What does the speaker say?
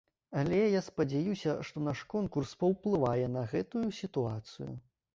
Але я спадзяюся, што наш конкурс паўплывае на гэтую сітуацыю.